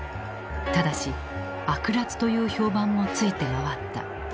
ただし悪辣という評判も付いて回った。